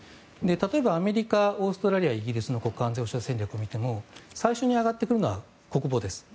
例えば、アメリカオーストラリア、イギリスの国家安全保障戦略を見ても最初に挙がってくるのは国防です